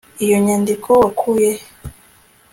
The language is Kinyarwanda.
Iyo nyandiko wakuye he